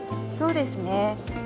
そうですね。